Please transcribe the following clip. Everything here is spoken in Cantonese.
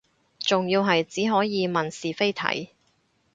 仲要係只可以問是非題